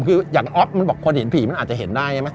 คืออย่างอ๊อฟมันบอกคนเห็นผีมันอาจจะเห็นได้ใช่ไหม